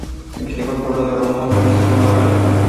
Investigó el pueblo de Oromo, entonces llamado Gala.